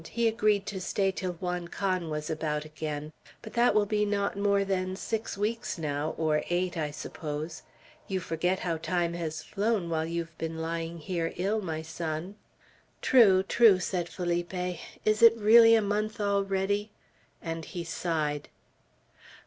He agreed to stay till Juan Can was about again; but that will be not more than six weeks now, or eight, I suppose. You forget how time has flown while you have been lying here ill, my son." "True, true!" said Felipe. "Is it really a month already?" and he sighed.